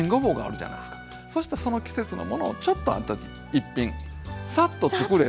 そしてその季節のものをちょっとある時一品さっとつくれて。